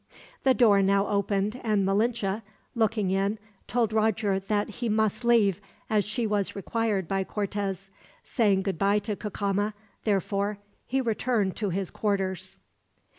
The door now opened, and Malinche, looking in, told Roger that he must leave, as she was required by Cortez. Saying goodbye to Cacama, therefore, he returned to his quarters.